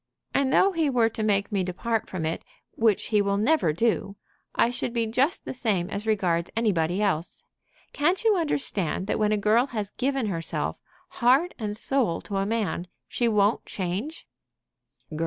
"And though he were to make me depart from it, which he will never do, I should be just the same as regards anybody else. Can't you understand that when a girl has given herself, heart and soul, to a man, she won't change?"